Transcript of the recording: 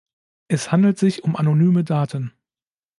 Es handelt sich um anonyme Daten.